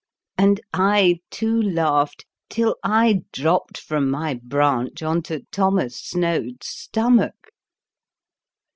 " And I too laughed till I dropped from my branch on to Thomas Snoad's stomach.